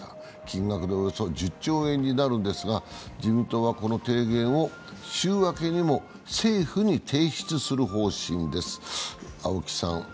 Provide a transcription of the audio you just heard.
金額でおよそ１０兆円になるんですが、自民党はこの提言を週明けにも政府に提出する方針です。